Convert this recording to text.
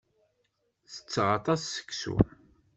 Tetteɣ aṭas seksu.